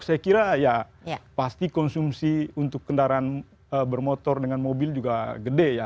saya kira ya pasti konsumsi untuk kendaraan bermotor dengan mobil juga gede ya